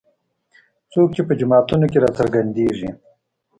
څوک چې په جوماتونو کې راڅرګندېږي.